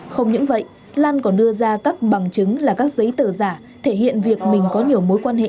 không những vậy lan còn đưa ra các bằng chứng là các giấy tờ giả thể hiện việc mình có nhiều mối quan hệ